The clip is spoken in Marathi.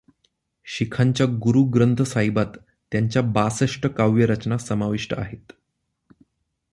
शिखांच्या गुरू ग्रंथसाहिबात त्यांच्या बासष्ट काव्यरचना समाविष्ट आहेत.